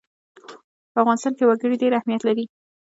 په افغانستان کې وګړي ډېر اهمیت لري.